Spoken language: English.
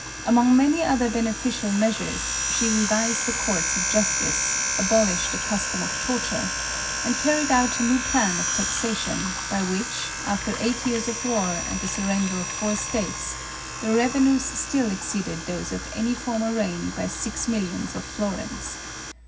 Among many other beneficial meas ures, she revised the courts of justice, abolished the custom of torture, and carried out a new plan of taxa tion, by which, after eight years of war and the sur render of four states, the revenues still exceeded those of any former reign by six millions of florins.